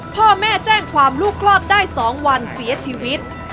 พ่อแม่แจ้งความลูกคลอดได้๒วันเสียชีวิต